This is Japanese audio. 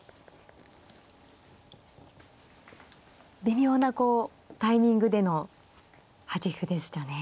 微妙なこうタイミングでの端歩ですよね。